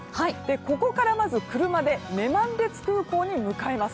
ここから車で女満別空港まで向かいます。